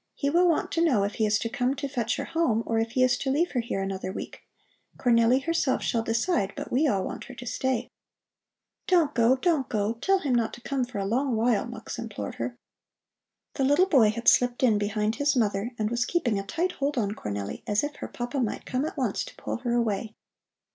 He will want to know if he is to come to fetch her home, or if he is to leave her here another week. Cornelli herself shall decide, but we all want her to stay." "Don't go, don't go! Tell him not to come for a long while," Mux implored her. The little boy had slipped in behind his mother and was keeping a tight hold on Cornelli, as if her papa might come at once to pull her away.